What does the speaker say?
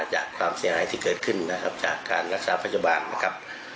จากความเสียหายที่เกิดขึ้นนะครับจากการรักษาพยาบาลนะครับ